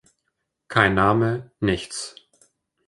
Kein Name, nichts.